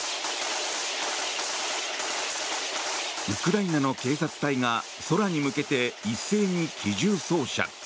ウクライナの警察隊が空に向けて一斉に機銃掃射。